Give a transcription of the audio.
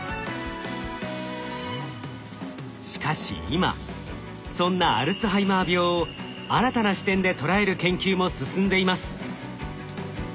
しかし今そんなアルツハイマー病を新たな視点で捉える研究も進んでいます。